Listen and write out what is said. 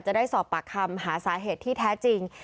จะได้สอบปากคำหาสาเหตุที่แท้จริง